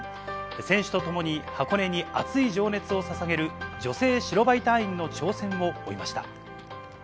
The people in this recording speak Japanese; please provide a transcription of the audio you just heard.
選手と共に箱根に熱い情熱をささげる女性白バイ隊員の挑戦を追いました。